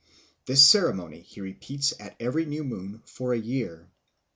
This ceremony he repeats at every new moon for a year.